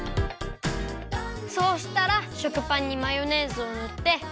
そうしたら食パンにマヨネーズをぬって。